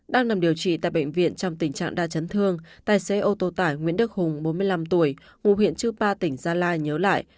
đang nằm điều trị tại bệnh viện trong tình trạng đa chấn thương tài xế ô tô tải nguyễn đức hùng bốn mươi năm tuổi ngụ huyện chư pa tỉnh gia lai nhớ lại